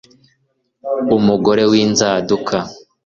umugore winzanduka